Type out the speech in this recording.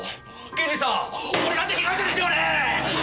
刑事さん俺だって被害者ですよねえ！？ねぇ！！